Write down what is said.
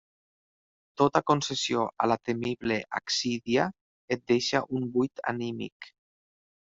Tota concessió a la temible accídia et deixa en un buit anímic.